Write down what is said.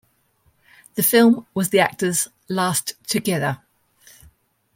The film was the actors' last together.